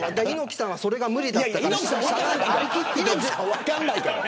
猪木さんはそれが無理だったから。